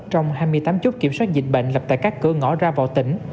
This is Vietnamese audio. trong hai mươi tám chốt kiểm soát dịch bệnh lập tại các cửa ngõ ra vào tỉnh